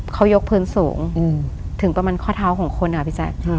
เขายกพื้นสูงถึงประมาณข้อเท้าของคนค่ะพี่แจ๊ค